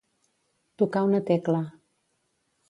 Tocar una tecla.